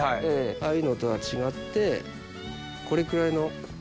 ああいうのとは違ってこれくらいの。